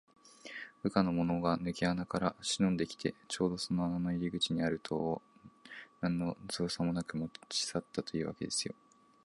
部下のものがぬけ穴からしのんできて、ちょうどその穴の入り口にある塔を、なんのぞうさもなく持ちさったというわけですよ。